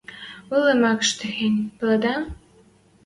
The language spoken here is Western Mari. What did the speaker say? Улы мӓкш техень, пӓледӓ?